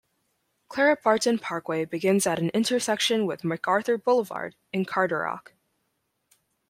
Clara Barton Parkway begins at an intersection with MacArthur Boulevard in Carderock.